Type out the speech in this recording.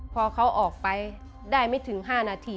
พอเขาออกไปได้ไม่ถึง๕นาที